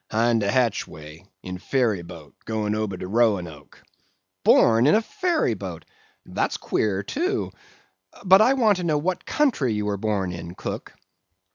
"'Hind de hatchway, in ferry boat, goin' ober de Roanoke." "Born in a ferry boat! That's queer, too. But I want to know what country you were born in, cook!"